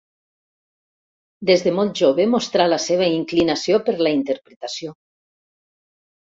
Des de molt jove mostrà la seva inclinació per la interpretació.